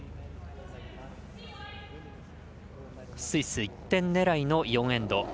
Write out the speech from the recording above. スイス、１点狙いの４エンド。